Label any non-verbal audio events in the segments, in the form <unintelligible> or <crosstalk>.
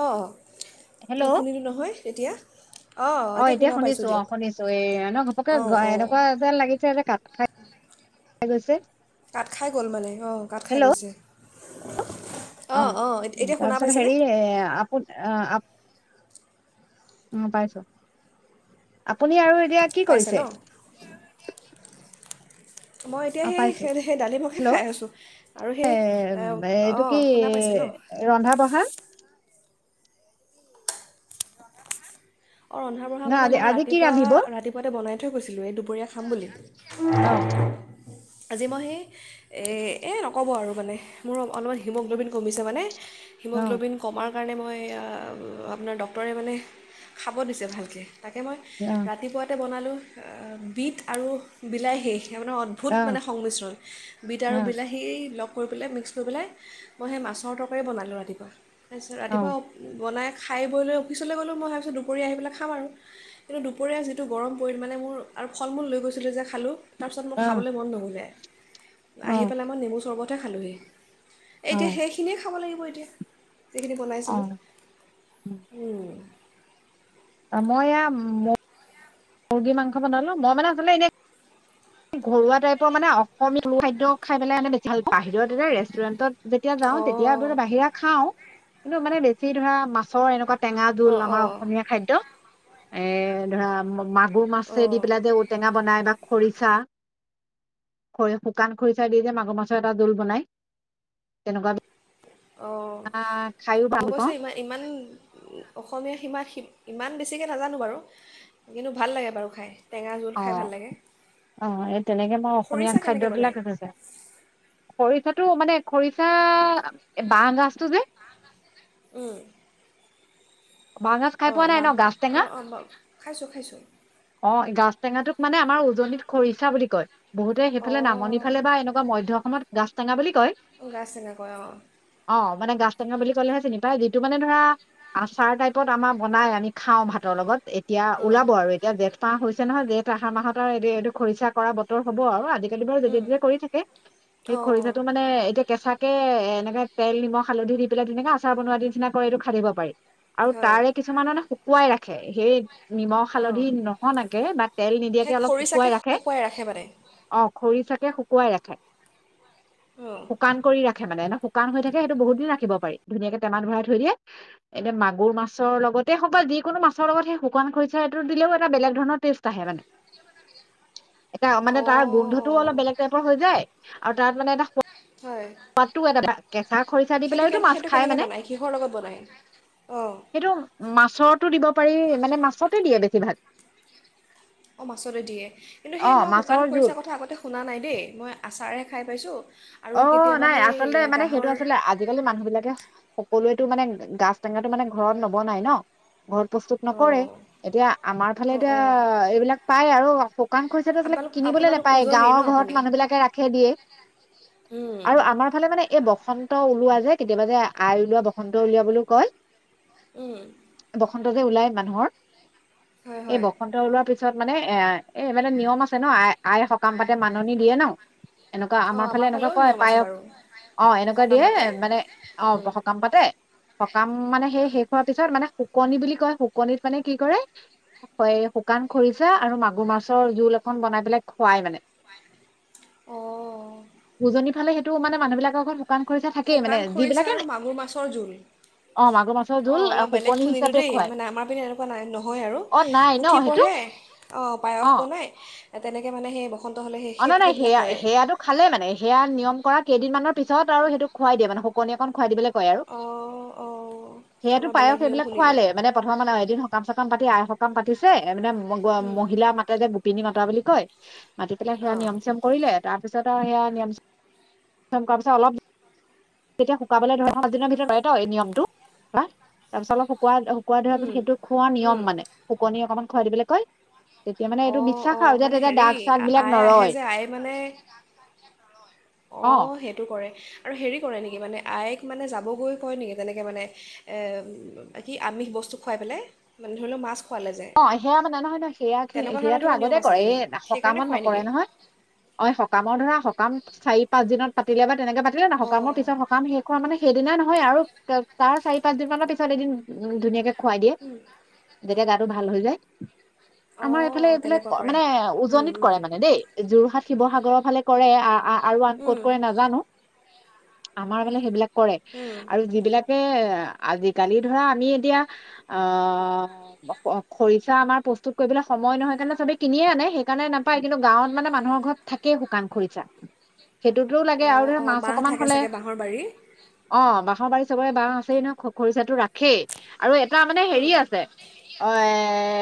অ'। Hello? অঁ অ', এতিয়া শুনা পাইছোঁ শুনিছো দিয়ক অ', শুনিছো। এ ন ঘপকে অঁ অঁ এনেকুৱা যেন লাগিছে যে কাত খাই <unintelligible> কৈছে কাত খাই গ'ল মানে, অ' কাত খাই গৈছে। <inaudible> অ' অঁ অঁ এত- এতিয়া শুনা তাৰপিছত পাইছেনে হেৰি এ আপোন আপোন উম, পাইছো। আপুনি আৰু এতিয়া কি পাইছে ন কৰিছে? <inaudible> মই এতিয়া অ সেই পাইছো সেই দালিমকে হেল্ল' খাই আছোঁ আৰু এ সেই অ এইটো কি শুনা পাইছে ন ৰন্ধা বঢ়া অ ৰন্ধা বঢ়া ন মানে আজি মই আজি কি ৰাতিপুৱা ৰান্ধিব অ ৰাতিপুৱাতে বনাই থৈ গৈছিলো এই দুপৰীয়া খাম বুলি। আহ। আজি মই সেই এ এ নক'ব আৰু মানে। মোৰ অলপমান হিমোগ্ল'বিন কমিছে মানে। অ হিমোগ্লবিন কমাৰ কাৰণে মই আ আপোনাৰ ডক্টৰে মানে খাব দিছে ভালকৈ। তাকে মই অ ৰাতিপুৱাতে বনালোঁ বিট আৰু বিলাহ শেষ সেয়া মানে অদ্ভুত অ মানে সংমিশ্ৰণ বিত অ আৰু বিলাহী লগ কৰি পেলাই মিক্স কৰি পেলাই, মই সেই মাছৰ তৰকাৰী বনালোঁ ৰাতিপুৱা। খাইছোঁ অ ৰাতিপুৱা অপ বনাই খাই বৈ লৈ অফিচলৈ গ'লো, মই ভাবিছোঁ দুপ পৰীয়া আহি পেলাই খাম আৰু, কিন্তু দুপৰীয়া যিটো গৰম পৰিল মানে মোৰ আৰু ফল মূল লৈ গৈছিলো যে খালোঁ তাৰপিছত মোৰ অ খাবলৈ মন নগ'লে। আহি পেলাই মই নেমু চৰ্বত তে খালোঁহি অ এতিয়া সেইখিনিয়ে খাব লাগিব! <unintelligible> দিয়া এইখিনি বনাইছিলোঁ উম মই ইয়াম ম মুৰ্গী মাংস বনালোঁ, মই মানে আচলতে এনেই ঘৰুৱা টাইপৰ মানে অসমীয়া খাদ্য খাই পেলাই মানে বেছি ভাল পা বাহিৰত যে ৰেষ্টুৰেণ্টত যেতিয়া যাওঁ তেতিয়া অঁ <unintelligible> বাহিৰা খাওঁ কিন্তু মানে বেছি ধৰা মাছৰ এনেকুৱাত টেঙা জোল অঁ আমাৰ অঁ অসমীয়া খাদ্য এ ধৰা ম <unintelligible> গুৰ মাছে অঁ দি পেলাই যে ঔটেঙা বনাই বা খৰিচা খৰি শুকান খৰিচাই দি যে মাগুৰ মাছৰ এটা দোল বনাই তেনেকুৱা অ, বিলাক খাইও মই ভাল পাওঁ অৱশ্যে ইমা ইমান অসমীয়া সীমা সিপ ইমান বেছিকৈ নাজানো বাৰু, কিন্তু ভাল লাগে বাৰু খাই। টেঙা জোল অ খাই ভাল লাগে অ এই তেনেকে মই অসমীয়া খৰিচা কেনেকৈ খাদ্যয়বলাক সজ বনায় শৰিত টো মানে খৰিচা বাঁহ গাজটো যে উম বাঁহ গাজ খাই পোৱা অঁ নাই বাহ ন গাজ টেঙা অঁ অঁ ব খাইছোঁ খাইছোঁ অ গাজ টেঙাটোক মানে আমাৰ উজনিত খৰিচা বুলি কয়। বহুতে সেইফালে নামনি অঁ ফালে বা এনেকুৱা মধ্য অসমত গজ টেঙা বুলি কয় গাজ টেঙা কয় অঁ। অ মানে গাজ টেঙা বুলি ক'লেহে চিনি পাই, যিটো মানে ধৰা আচ খাৰ টাইপত আমাৰ বনাই আমি খাওঁ ভাতৰ লগত এতিয়া ওলাব আৰু এতিয়া জেঠ পাহ হৈছে নহয়, জেঠ আহাৰ মাহত আৰু <unintelligible> এইটো খৰিচা কৰা বতৰ হ'ব আৰু আদি সেইটো বাৰু অঁ যেতিয়া তেতিয়াই কৰি থাকে, সেই অঁ খৰিচাটো মানে এতিয়া কেঁচাকে এনেকে তেল নিমখ হালধি দি পেলাই তেনেকে আচাৰ বনোৱাৰ নিচিনা কৰি এইটো খানিব পাৰি। আৰু হয় তাৰে কিছুমাননে শুকুৱাই ৰাখে। সেই নিমখ অঁ হালধি নহ নকে বা তেল সেই নিদিয়াকে অলপ শুকুৱাই খৰিচাকে ৰাখে মানে অ খৰি চাক তেয়া শুকুৱাই ৰাখে। অঁ শুকান কৰি ৰাখ খে মানে এনে শুকান হৈ থাকে, সেইটো বহুত দিন ৰাখিব পাৰি। ধুনীয়াকে টেমাত ভৰাই থৈ দিয়ে, এতিয়া মাগ গুৰু মাছৰ লগতে হওক বা যিকোনো মাছৰ লগত সেই শুকান খৰিচটো দিলেও এটা বেলেগ ধৰণৰ টেষ্ট আহে মানে। এটা, মানে তাৰ অঁ অঁ গোন্ধটোও অলপ বেলেগ টাইপৰ হৈ যায়, আৰু তাত মানে এটা স হয় পোৱাতটো এটা কেঁচা খৰিচা দি সেইটো পেলাইতটো কেনে মাছ সেইটো খায় কেনেকৈ মানে। বনায় কিহৰ লগত বনায় অঁ সেইটো মাছৰটো দিব পাৰি, মানে মাছতো দিয়ে বেছিভাগ। অ মাছতো দিয়ে, কিন্তু সেই অ মই শুকান মাছৰ জোল খৰিচা কথা আগতে শুনা নাই দেই, মই আচাৰহে খাই পাইছোঁ। আৰু অ কেতিয়াবা নাই, সেই আচলতে মানে সেইটো গাহৰ আচলে আজিকালি মানুহ বিলাকে সকলোৱেতো মানে গাছ টেঙাটো মানে ঘৰত নব নাই ন। ঘৰত প্ৰস্তুত নকৰেই। অঁ এতিয়া আমাৰ ফালে অঁ এতিয়া অঁ এইবিলাক পাই আৰু ৰাকো। কান খৰিছাটো আচলতে আপোনালোক কিনিবলৈ আপোনালোক নেপায়, উজনিৰ ন গাঁৱৰ আপুনি ঘৰত মানুহ বিলাকে ৰাখে দিয়ে। উম আৰু আমাৰ ফালে মানে এ বসন্ত ওলোৱা যে, কেতিয়াবা যে আই ওলোৱা বসন্ত উলিৱা বুলিও কয় উম। খন্ততে ওলায় মানুহৰ হয় এই হয় বসন্ত ওলোৱাৰ পিছ পিছত মানে এ, এ মানে নিয়ম আছে ন, আই আইে সকাম পাতে মাননি দিয়ে ন। এনেকুৱা, অঁ আমাৰ ফালে এনেকু ফালেও সয় নিয়ম আছে পায়স বাৰু অ এনেকুৱা সকাম দিয়ে পাতে মানে অ উম। সকাম পাতে কাম মানে সেই শেষ হোৱাৰ পিছত মানে শুকনি বুলি কয়, শুকনিত মানে কি কৰে, হয় শুকান খৰিচা আৰু মাগুৰ মাছৰ জোল এখন বনাই পেলাই খুৱাই মানে। অ'। উজনি ফালে সেইটো মানে মানহিলাকৰ ঘৰত শুকান খৰিচা থাকেই মানে শুকান খৰিচা যিবিলাকে আৰু মাগুৰ মাছৰ জোল, অ মাগুৰ মাছৰ জোল অ', অলপ বেলেগ শুকনি শুনিলো হিচাপে দেই, খুৱাই মানে আমাৰ পিনে এনেকুৱা নাই নহয় আৰু অ নাই ন পুঠি সেইটো পঢ়ে অ' পায়স বনাই তেনেকে মানে সেই ব অ', নাই-নাই সেয়া সেয়াটো খালে মানে সেয়া নিয়ম কৰাত কেইদিনমানৰ পিছত আৰু সেইটো খুৱাই দিয়ে মানে শকনিক খুৱাই দিলে আৰু অঁ অঁ সেয়টো অলপ পায়স বেলেগ নিয়ম সেইবিলাক শুনিলোঁ খোৱালে মানে প্ৰথম মানে এদিন সকাম চ সকাম পাতি আই সকাম পাতিছে এ মানে ম উম, মহিলা মাতে যে পিনি মাতা বুলি কয় ম পেলাই সেয়া অঁ নিয়ম-চিয়ম কৰিলে তাৰপিছত সেয়া নিৰামিষ <unintelligible> কৰা পিছত অলপ তেতিয়া শুকাবলে ধৰে ন পাঁচদিনৰ ভিতৰত হয় টো এই নিয়মটো <unintelligible> তাৰপিছত অলপ শুক শুকাই ধৰা পিত উম, সেইটো খোৱাৰ উম। নিয়ম মানে শুকনি অকণমান খুৱাই দিবলে কই তেতিয়া মানে এইটো অঁ বিশ্বাস অঁ আৰু যে মানে তেতিয়া হেৰি দাগ-চাগ আ- বিলাক আই আহে নৰয়। অ', সেইটো কৰে। আৰু হেৰি কৰে নেকি মানে আইক মানে যাবগৈ কয় নেকি? তেনেকে মানে কি আমিষ বস্তু খুৱাই পেলাই, মানে ধৰি লওক মাছ খোৱালে যে অ', সেয়া মানে নহয়-নহয় সেয়া তেনেকুৱা ধৰণৰ সেয়াতো কিবা আগতে নিয়ম আছে কৰে, এই নেকি সেইকাৰণে সকামত খুৱাই নকৰে নেকি নহয় অ', সকামৰ ধৰা কাম চাৰি পাঁচ দিনত পাতিলে বা তেনেকে পাতিলে ন, সকামৰ অঁ পিছত সকাম শেষ হল মানে সেইদিনাই ন হয় আৰু তাৰ চাৰি-পাঁচ দিন মানৰ পিছত এদিন উ ধুনীয়াকে খুৱাই দিয়ে উম, আৰু ভাল হৈ যায়। আমাৰ অঁ এইফালে-এইফালে তেনেকুৱা কৰে মানে, উম, উজনিত উম, কৰে মানে দেই যোৰহাট, শিৱসাগৰত <unintelligible> ফালে কৰে আহ-আহ আৰু আন উম, ক'তকৈ নাজানো। আমাৰ মানে সেইবিলাক কৰে উম। আৰু যিবিলাকে আজিকালি ধৰা আমি এতিয়া অ' অ', খৰিচা আমাৰ প্ৰস্তুত কৰিবলৈ সময় নহয় কাৰণে চবেই কিনিয়ে আনে সেইকাৰণে নাপায়, কিন্তু গাঁৱত মানে মানুহৰ ঘৰত থাকেই শুকান খৰিচা। সেইটোতোও লাগে আৰু অঁ ধৰা অঁ মাছ বাঁহ অকমান থাকে হলে, চাগে বাঁহৰ বাৰী অ', বাঁহৰ বাৰি চবৰে বাঁহ আছেই নহয় খৰিচাটো ৰাখেই। আৰু এটা মানে হেৰি উম, আছে অ', এ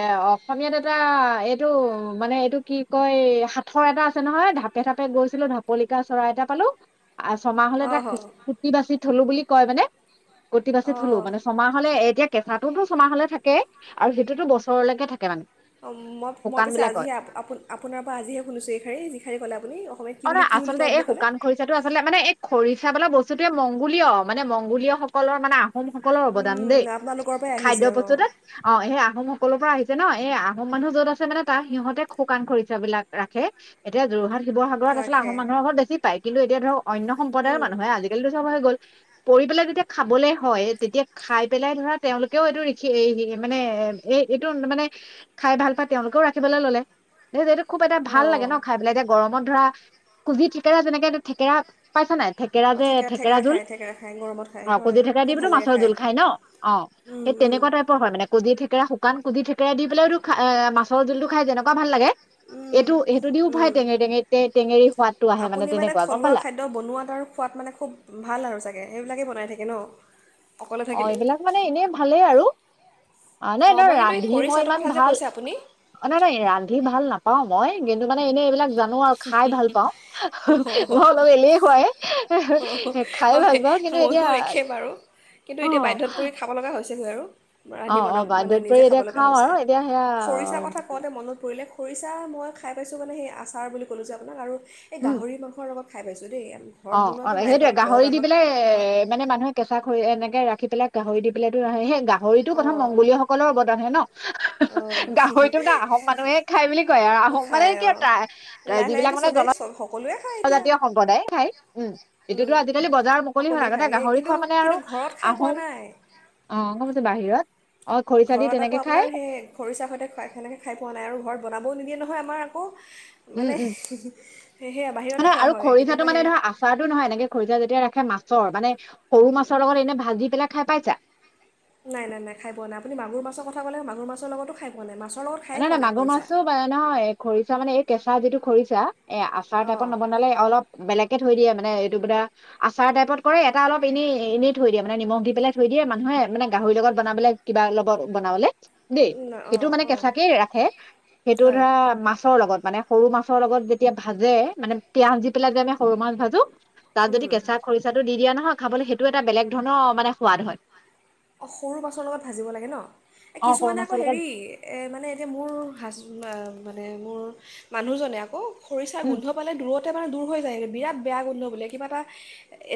এ অসমীয়াত এটা এইটো মানে এইটো কি কয় সাঁথৰ এটা আছে নহয়। ঢাপে ঢাপে গৈছিলো ঢাপলিকা চৰাই এটা পালো। ছমাহলে অঁ তাক কু অঁ কুটি বাচি থ'লো বুলি। কয় মানে। কুটি বাচি থ'লো, অঁ মানে ছমাহ হলে এতিয়া কেঁচাটোতো ছমাহলে থাকে আৰু সেইটোতো বছৰলৈকে থাকে মানে। অ' মই মই শুকান পিছে বিলাকত আজিহে আপোনাৰ পৰা আজিহে শুনিছোঁ এই শাৰী যি শাৰী ক'লে আপুনি অ'। অ' ন আচলতে এই শুকান খৰিচাটো আচলতে মানে এই খৰি ৰিচা বোলা বস্তুতোৱে মংগোলীয়। মানে মংগোলীয় সকলৰ মানে আহোমসকলৰ অৱদান উম, দেই, আপোনালোকৰ পৰাই খাদ্য আহিছে অঁ বস্তুটোত অ', সেই আহোম সকলৰ পৰা আহিছে ন। এই আহোম মানুহ যত আছে মানে তাৰ সিহঁতে শুকান খৰিচা বিলাক ৰাখে। এতিয়া যোৰহাট শিৱ বোৰত আছলতে ৰাখে আহোম মানুহৰ ঘৰত বেছি পায়। কিন্তু এতিয়া ধৰক অন্য সম্পদায়ৰ উম মানুহে আজিকালিতো চব হৈ গ'ল। কৰি পেলাই যেতিয়া খাবলৈ হয় তেতিয়া খাই পেলাই ধৰা তেওঁলোকেও এইটো ৰিখি এৰি নিদিয়ে মানে এইটো মানে খাই ভাল পাই তেওঁ তেওঁলোকেও ৰান্ধিবলৈ ল'লে এইটো খুব এটা ভাল অঁ লাগে ন' খাই পেলাই এতিয়া গৰমত ধৰা কুজি থেকেৰা যেনেকে এটা থেকেৰা পাইছা নাই? থেকেৰা অঁ যে থেকেৰা জোল খায় থেকেৰা খায় গৰমত খায় অ, ' হয় কোজি থেকেৰা দি খুব টো ভাল লাগে মাছৰ খায় জোল খাই ন' অ' উম সেই উম তেনেকুৱা টাইপৰ হয় মানে কোজি থেকেৰা শুক শুাকান কুজি থেকেৰা দি পেলাইতো খা মাছৰ জোলটো খাই যেনেুৱা ভাল লাগে উম এইটো সেইটো দিও খায় উম টেঙেৰি টেঙেৰি তে আপুনি মানে থলুৱা খাদ্য বনোৱাত আৰু খোৱাত মানে খুব ভাল আৰু ছাগে সেইবিলাকেই বনাই থাকে ন। অকলে অ, ' থাকিলেও এইবিলাক মানে এনেই ভা ভালেই আৰু অ' নাই অঁ নাই মই কিন্তু এই ৰান্ধি মই খৰিচাটোৰ ইমান কথা যে ভাল কৈছে আপুনি নাই নাই ৰান্ধি ভাল নাপা পাওঁ মই কিন্তু মানে এনেই এইবিলাক জানো আৰু খায় ভাল পাওঁ, অহ মই হ হ অলপ এলেহুৱাই খায় ভাল হয় পাওঁ কিন্তু এতিয়া ময়ো একেই বাৰু কিন্তু এতিয়া অ বাধ্যত পৰি খাৱ লগা হৈছে গৈ আৰু ৰান্ধি অ', অ', বনাম, মানে বাৰদৈত পৰি নিজে খাব এতিয়া লগা খাওঁ হৈছে। আৰু এতিয়া সেয়া খৰিচা কথা কওঁতে মনত পৰিলে খৰিচা মই খাই পাইছোঁ মানে সেই আচাৰ বুলি কলো যে আপোনাক আৰু এই উম, গাহৰি মাংসৰ লগত খাই পাইছোঁ দে অ, অ সেইটোয়ে গাহৰি দি পেলাই নহয় এ মানে মানুহে কেঁচা খৰি এনেকে ৰাখি পেলাই গাহৰি দি <unintelligible> সেই গাহৰিতটো প্ৰথম অঁ মংগোলীয় সকলৰ অৱদানে হে ন? অঁ গাহৰিটো আহোম মানুহে খাই বুলি কয় আৰু অঁ, আহোম মানে খায় কিয় অঁ টা লাহে লাহে যিবিলাক এতিয়া মানে চবেই জন চব সকলোৱে খায় এতিয়া জাতীয় সম্প্ৰদায়ে খাই উম, উম, এইটোতো আজিকালি বজাৰৰ মুকলি হ সকলোৱে খায় আগতে সেই গাহৰি কিন্তু খোৱা মানে কিন্তু আৰু ঘৰত খাই পোৱা আহোম নাই অ। <unintelligible> বাহিৰত। অ', খৰিচা দি ঘৰত আকৌ তেনেকে খাই আপোনাৰ সেই খৰিচা সৈতে সেনেকৈ খাই পোৱা নাই আৰু ঘৰত বনাবও নিদিয়ে নহয়। হয় আমাৰ আকৌ উম মানে উম সেয়া বাহিৰতে মানে খোৱা আৰু হয় খৰিচাটো কেতিয়াবা মানে সেই ধৰা আচাৰটো নহয় এনেকে খৰিচা যেতিয়া ৰাখে মাছ চৰ মানে সৰু মাছৰ লগত এনে ভাজি খাই পাইছা? নাই, নাই, নাই খায়পোৱা নাই। আপুনি মাগুৰ মাছ কথা ক'লে মাগুৰ মাছৰ লগত খাইপোৱা নাই মাছ নাই-নাই মাগুৰ মাছো বা নহয় খৰিচা মানে এ কেঁচা যিটো খৰিছা। এ আচাৰ টাইপত অঁ নবনালে অলপ বেলেগকে থৈ দিয়ে আউ মানে এইটো <unintelligible> আচাৰ টাইপত কৰে। এটা অলপ এনে এনেই থৈ দিয়ে মানে নিমখ দি পেলাই, থৈ দিয়ে মানুহে মানে গাহৰি লগত বনাবলে, কিবা লগত বনাবলে। দেই সেইটো অঁ মানে কে অঁ কে ৰাখে, সেইটো হয় ধৰা মাছৰ লগত মানে সৰু মাছৰ লগত যেতিয়া ভাজে, মানে পিঁয়াজ দি পেলাই যে আমি সৰু মাছ ভাজো তাত যদি কেঁচা খৰিচা টো দি দিয়া নহয় খাবলৈ সেইটোও এটা বেলেগ ধৰণৰ মানে সোৱাদ হয়। অ, ' সৰু মাছৰ লগত ভাজিব লাগে ন? এ অ সৰু কিছুমানে আকৌ মাছৰ লগত হেৰি এ মানে এতিয়া মোৰ হাজব, মানে মোৰ মানুহজনে আকৌ খৰিচা উম গোন্ধ পালে দূৰত লগতে মানে দূৰ হৈ যায়গৈ বিৰাট বেয়া গোন্ধ বোলে। কিবা এটা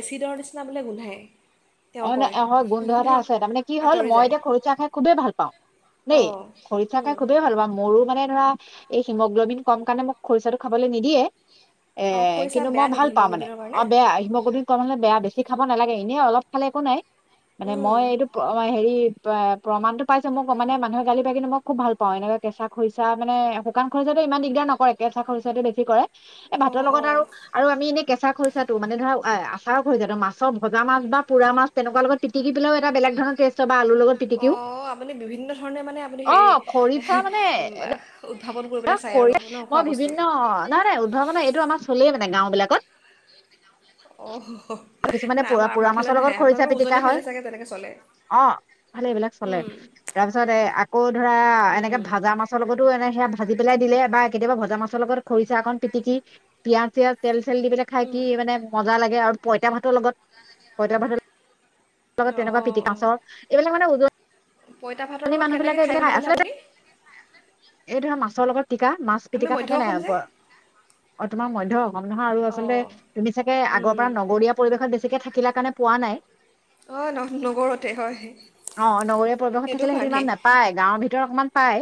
এছিডৰ নিচিনা বোলে গোন্ধায়। অ, তেওঁ ' ন কয় 'এ, হয়, গোন্ধ এটা তেওঁ আছে। তাৰমানে কি হ'ল, আঁতৰি মই যায় এতিয়া খৰচা খাই খুবেই ভাল পাওঁ। দেই। অঁ খৰিচা খাই উম। খুবেই ভাল পাওঁ, মোৰো মানে ধৰা, এই হিমোগ্লবিন কম কাৰণে, মোক খৰিচাটো খাবলৈ নিদিয়ে। এ, অঁ খৰিচা কিন্তু মই বেয়া নেকি ভাল পাওঁ মানে। হিমগ্ল'বিনৰ কাৰণে অ' বেয়া, হিমোগ্ল'বিন কম হ'লে‌ বেয়া <unintelligible> ছি খাব নালাগে, এনেই অলপ খালে একো নাই। মানে উম। মই, এইটো <unintelligible> হেৰি এ, প্ৰমাণটো পাইছে। মোক মানে, মানুহে <unintelligible> লে মই খুব ভাল পাওঁ। এনেকৈ কেঁচা খৰিচা, মানে শুকান খৰিচাটো ইমান দিগদাৰ নকৰে, কেঁচা খৰিচাটো বেছি কৰে। এ, ভাতৰ অঁ লগত অঁ আৰু, আৰু আমি এনে কেঁচা খৰিচাটো, মানে ধৰা আ-আচাৰৰ খৰিচাটো। মাছৰ, ভজা মাছ বা পোৰা মাছ, তেনেকুৱাৰ লগত পিটিকি পেলাইও এটা বেলেগ ধৰণৰ টেষ্ট হয় বা আলুৰ লগত পিটিকিও অ', আপুনি বিভিন্ন ধৰণে মানে আপুনি অ হেৰি, এহ, মাঃ, উঃ। অ, খৰি, মই বিভিন্ন, অ, নাই, নাই উদ্ভাৱনৰ এ <unintelligible> টো আমাৰ চলেই মানে, গাওঁ বিলাকত। অঁ কিছুমানে নাই পোৰা, আমাৰ পোৰা আমাৰ ফালে মাছৰ লগত নাহে খৰিচা আপোনালোকৰ পিটিকা উজনিৰ হয়। ফালে চাগে তেনেকৈ চলে অ', এইফালে এইবিলাক চলে। উম তাৰ পিছত এ, আকৌ ধৰা, উম এনেকৈ ভাজা মাছৰ লগতো, এনে সেয়া ভাজি পেলাই দিলে বা কেতিয়াবা ভজা মাছৰ লগত খৰিচা অকণ পিটিকি পিয়াঁজ-চিয়াজ তেল <unintelligible> দি পেলাই খাই উম। কি মানে মজা লাগে আৰু পঁইতা ভাতৰ লগত, পঁইতা ভাতৰ লগত অঁ তেনেকুৱা অঁ পিটিকা চব, এইবিলাক মানে উজনি পঁইতা ভাতৰ লগত মানুহ বিলাকে কেনেকৈ খায় এইবিলাক বুলি ক'লে আচলতে আপুনি? <unintelligible> ৰ লগত পিটিকা, মাছ আমি পিটিকা মধ্য থাকে নে নাই? অসম যে <unintelligible> অ, তোমাৰ মধ্য <unintelligible> নহয় আৰু আচলতে, অঁ তুমি ছাগে আগৰ উম। পৰা নগৰীয়া পৰিৱেশত বেছিকৈ থা ছিলা কাৰণে পোৱা নাই। অ', ন, নগৰতে হয়। এইটো এ, সেইটো ইমান নাপায়। গাঁৱত ভিতৰত অকণমান পায়।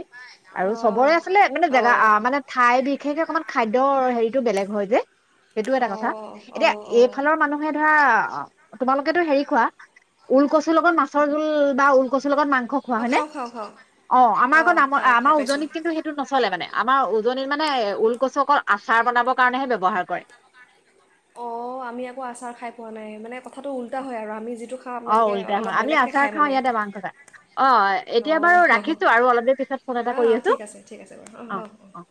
আৰু চবৰে অঁ আছিলে? মানে জেগা, অঁ আ আ, মানে ঠাই বিশেষকে, অকমান খাদ্যৰ হেৰিটো বেলেগ হয় যে, সেইটোও এটা কথা। অঁ এতিয়া অঁ অঁ এইফালৰ মানুহে ধৰা অ'। তোমালোকেটো হেৰি খোৱা, ওলকচুৰ লগত মাছৰ জোল বা ওলকচুৰ লগত মাং খোৱা অঁ হয়নে? খাওঁ খাওঁ খাওঁ অ', আমাৰ আকৌ অঁ <unintelligible> আ, খাওঁ খাই আমাৰ পাইছোঁ উজনিত কিন্তু সেইটো নচলে মানে আমাৰ উজনিত, মানে ওলকচু অকল আচাৰ বনাবৰ কাৰণেহে ব্যৱহাৰ কৰে। অ', আমি আকৌ আচাৰ খাই পোৱা নাই। মানে কথাটো উল্টা হয় আৰু আমি যি অ উল্টা হয় আমি আচাৰ খাওঁ ইয়াতে এ মাংস ভাত। অহ এতিয়া অঁ বাৰু ৰাখিছোঁ আৰু অলপ দেৰি পিছত ফোন এটা অঁ কৰি অঁ আছোঁ ঠিক আছে ঠিক আছে বাৰু অঁ অ অঁ অঁ অ।